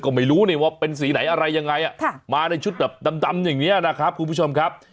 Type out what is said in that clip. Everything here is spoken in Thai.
ก็ไม่รู้นี่ว่าเป็นสีไหนอะไรยังไงมาในชุดแบบดำอย่างนี้นะครับคุณผู้ชมครับ